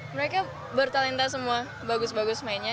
mereka bertalenta semua bagus bagus mainnya